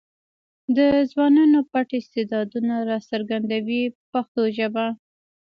د ځوانانو پټ استعدادونه راڅرګندوي په پښتو ژبه.